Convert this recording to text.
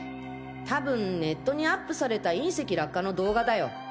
多分ネットにアップされた隕石落下の動画だよ。